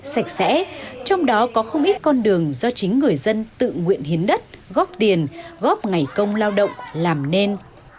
sạch sẽ trong đó có không ít con đường do chính người dân tự nguyện hiến đất góp tiền góp ngày công lao động làm nên